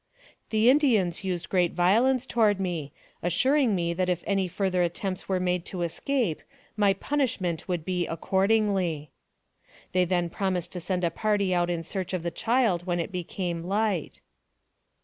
The Indians used great violence toward me, assur ing me that if any further attempts were made to escape, ray punishment would be accordingly. They then promised to send a party out in search of the child when it became light.